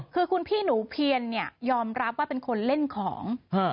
คือคุณพี่หนูเพียนเนี่ยยอมรับว่าเป็นคนเล่นของ